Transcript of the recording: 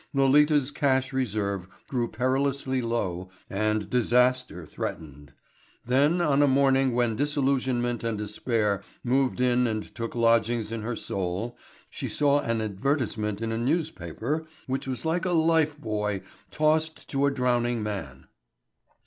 Lolita's cash reserve grew perilously low and disaster threatened. Then, on a morning when disillusionment and despair moved in and took lodgings in her soul, she saw an advertisement in a newspaper which was like a life buoy tossed to a drowning man.